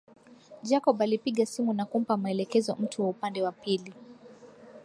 Jacob alipiga simu na kumpa maelekezo mtu wa upande wa pili